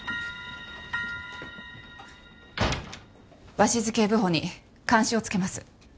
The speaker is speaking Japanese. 鷲頭警部補に監視をつけます。